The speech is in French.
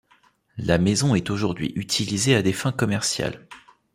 La maison est aujourd'hui utilisée à des fins commerciales.